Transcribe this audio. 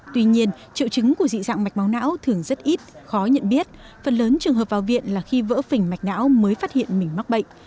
tuy nhiên triệu chứng của dị dạng mạch máu não thường rất ít khó nhận biết phần lớn trường hợp vào viện là khi vỡ phình mạch não mới phát hiện mình mắc bệnh